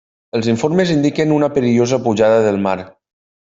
Els informes indiquen una perillosa pujada del mar.